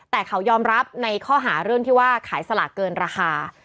แต่เขายอมรับในข้อหาเรื่องที่ว่าขายสลากเกินราคา